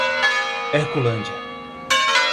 Herculândia